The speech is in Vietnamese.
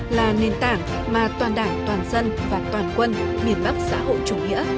là nền tảng mà toàn đảng toàn dân và toàn quân miền bắc xã hội chủ nghĩa